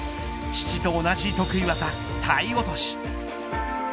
父と同じ得意技、体落。